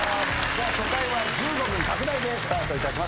初回は１５分拡大でスタートいたします。